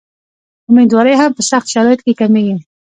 امیندواري هم په سختو شرایطو کې کمېږي.